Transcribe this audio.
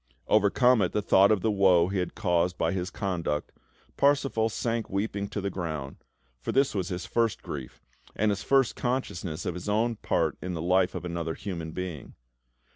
Overcome at the thought of the woe he had caused by his conduct, Parsifal sank weeping to the ground; for this was his first grief, and his first consciousness of his own part in the life of another human being.